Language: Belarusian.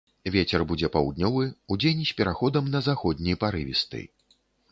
Вецер будзе паўднёвы, удзень з пераходам на заходні парывісты.